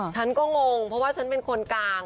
ฉันก็งงเพราะว่าฉันเป็นคนกลาง